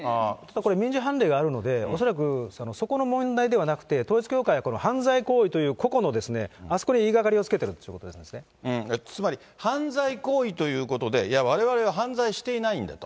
これ、民事判例があるので、恐らくそこの問題ではなくて、統一教会、この犯罪行為というここのあそこに言いがかりをつけてるというこつまり犯罪行為ということで、いや、われわれは犯罪していないんだと。